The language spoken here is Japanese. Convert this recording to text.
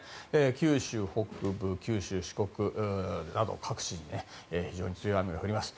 九州北部や九州・四国など各地で非常に強い雨が降ります